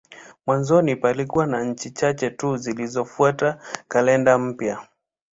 Mwanzoni palikuwa na nchi chache tu zilizofuata kalenda mpya.